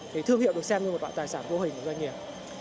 thì thương hiệu được xem như một vạn tài sản vô hình của doanh nghiệp